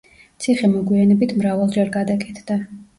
ციხე მოგვიანებით მრავალჯერ გადაკეთდა.